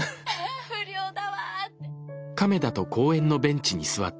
不良だわって！